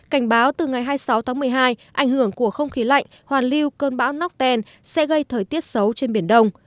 cảnh báo từ ngày hai mươi sáu tháng một mươi hai ảnh hưởng của không khí lạnh hoàn lưu cơn bão nóc ten sẽ gây thời tiết xấu trên biển đông